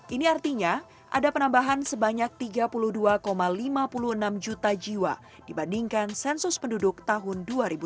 ini artinya ada penambahan sebanyak tiga puluh dua lima puluh enam juta jiwa dibandingkan sensus penduduk tahun dua ribu dua puluh